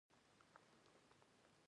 په ملک صاحب مې روپۍ وې.